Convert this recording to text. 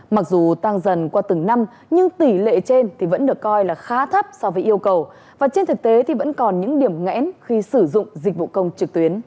mặc dù tăng dần qua từng năm nhưng tỷ lệ trên thì vẫn được coi là khá thấp so với yêu cầu và trên thực tế thì vẫn còn những điểm ngẽn khi sử dụng dịch vụ công trực tuyến